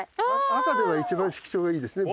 赤では一番色調がいいですね